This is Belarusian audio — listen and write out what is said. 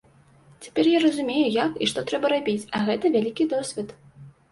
Цяпер я разумею, як і што трэба рабіць, а гэта вялікі досвед.